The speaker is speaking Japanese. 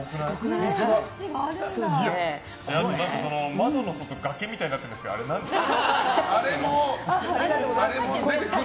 窓の外崖みたいになってますけどこれ、滝です。